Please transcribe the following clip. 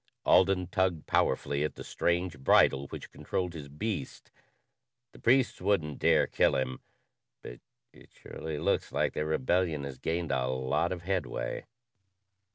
Alden tugged powerfully at the strange bridle which controlled his beast. "The priests wouldn't dare kill him, but it surely looks like their rebellion has gained a lot of headway."